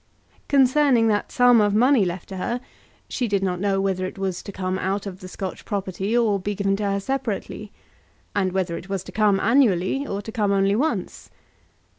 Concerning that sum of money left to her, she did not know whether it was to come out of the Scotch property or be given to her separately, and whether it was to come annually or to come only once.